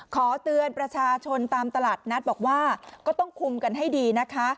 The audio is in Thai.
ขอเตือนประชาชนตามตลาดนัดบอกว่าก็ต้องคุมกันให้ดีนะคะ